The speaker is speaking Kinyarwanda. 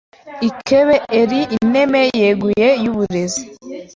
ikebe eri ineme yeguye y’uburezi